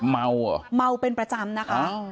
เมาเหรอเมาเป็นประจำนะคะ